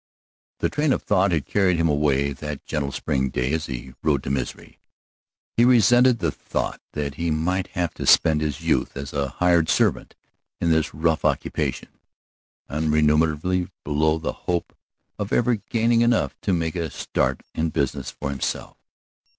This train of thought had carried him away that gentle spring day as he rode to Misery. He resented the thought that he might have to spend his youth as a hired servant in this rough occupation, unremunerative below the hope of ever gaining enough to make a start in business for himself.